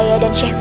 kami tidak berani